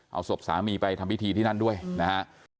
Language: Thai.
เอาศพสามีไปทำพิธีที่นั่นด้วยนะฮะ